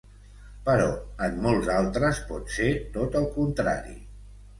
Però en molts altres, pot ser tot el contrari.